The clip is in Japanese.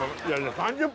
３０分？